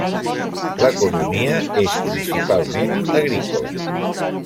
L'economia és principalment agrícola.